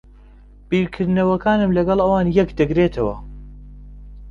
بیرکردنەوەکانم لەگەڵ ئەوان یەک دەگرێتەوە.